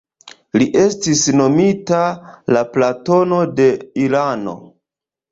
Li estis nomita «la Platono de Irano».